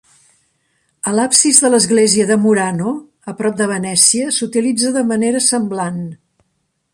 A l'absis de l'església de Murano, a prop de Venècia, s'utilitza de manera semblant.